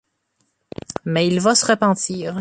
Mais il va se repentir.